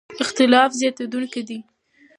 اختلاف زیاتېدونکی دی.